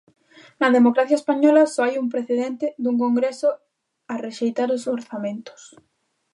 Na democracia española só hai un precedente dun congreso a rexeitar os orzamentos.